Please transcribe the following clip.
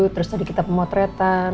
terus tadi kita pemotretan